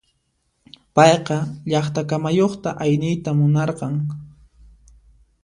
Payqa llaqta kamayuqta ayniyta munarqan.